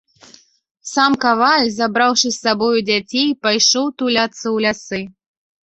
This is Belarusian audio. Сам каваль, забраўшы з сабою дзяцей, пайшоў туляцца ў лясы.